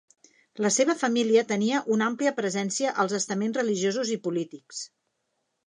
La seva família tenia una àmplia presència als estaments religiosos i polítics.